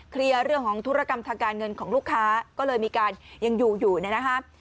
เคลียร์เรื่องของธุรกรรมทางการเงินของลูกค้าก็เลยมีการยังอยู่อยู่นะครับ